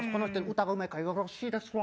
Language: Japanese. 歌がうまいからよろしいですわ。